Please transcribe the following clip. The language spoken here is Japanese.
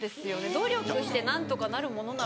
努力して何とかなるものなのかなって。